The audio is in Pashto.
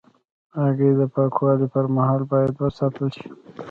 هګۍ د پاکوالي پر مهال باید وساتل شي.